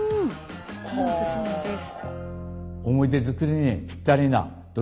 おすすめです。